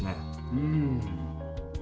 うん。